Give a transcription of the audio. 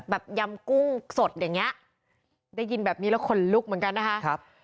ยำกุ้งสดอย่างเงี้ยได้ยินแบบนี้แล้วขนลุกเหมือนกันนะคะครับ